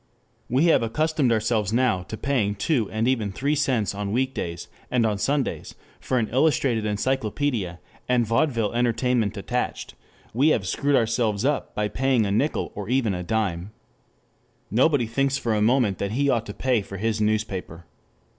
We have accustomed ourselves now to paying two and even three cents on weekdays, and on Sundays, for an illustrated encyclopedia and vaudeville entertainment attached, we have screwed ourselves up to paying a nickel or even a dime. Nobody thinks for a moment that he ought to pay for his newspaper.